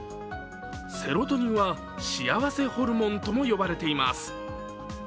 セロトニンは幸せホルモンとも呼ばれています。